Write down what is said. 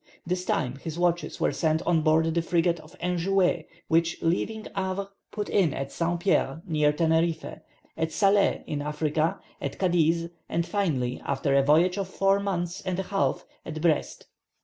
This time his watches were sent on board the frigate, the Enjouée, which, leaving Havre, put in at St. Pierre near Teneriffe, at Salee in Africa, at Cadiz, and finally, after a voyage of four months and a half, at Brest.